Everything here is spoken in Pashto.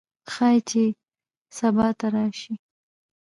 ښايي چې سبا ته راشي